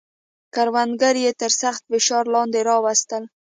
کروندګر یې تر سخت فشار لاندې راوستل.